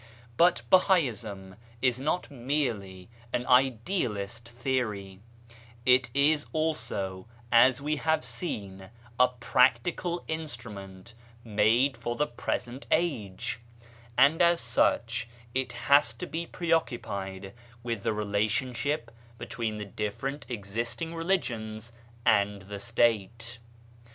But Bahaism is not merely an idealist theory ; it is also, as we have seen, a practical instrument, made for the present age ; and as such it has to be preoccupied with the relationship between the different existing religions and the State.